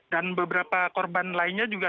dan beberapa korban lainnya juga